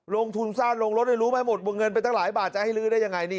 ลงทุนสร้างลงรถได้รู้ไหมหมดวงเงินไปตั้งหลายบาทจะให้ลื้อได้ยังไงนี่